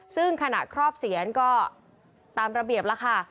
ซึ่งขณะครอบเสียนก็ตามระเบียบแล้วค่ะ